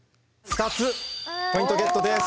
２つポイントゲットです。